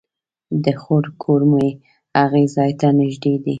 د خور کور مې هغې ځای ته نژدې دی